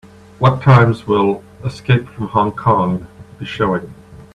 What times will Escape from Hong Kong be showing?